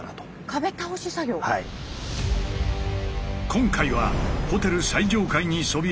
今回はホテル最上階にそびえる